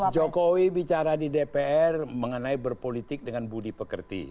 jokowi bicara di dpr mengenai berpolitik dengan budi pekerti